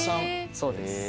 そうです。